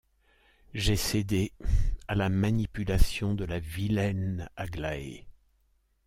J'ai cédé à la manipulation de la vilaine Aglaé.